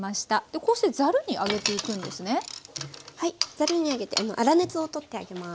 ざるに上げて粗熱を取ってあげます。